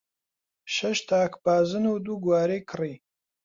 شەش تاک بازن و دوو گوارەی کڕی.